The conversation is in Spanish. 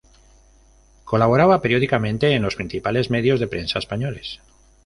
Colaboraba periódicamente en los principales medios de prensa españoles.